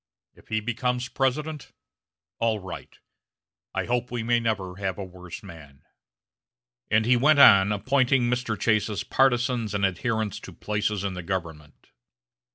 If he becomes President, all right. I hope we may never have a worse man." And he went on appointing Mr. Chase's partizans and adherents to places in the government.